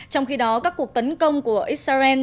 trong khi đó các cuộc tấn công của israel